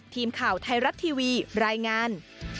ทีมข่าวไทยรัฐทีวีรายงาน